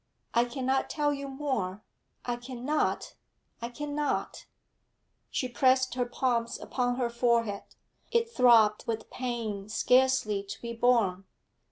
I cannot tell you more I cannot, I cannot!' She pressed her palms upon her forehead; it throbbed with pain scarcely to be borne.